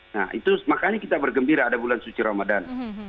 nah itu makanya kita bergembira ada bulan suci ramadan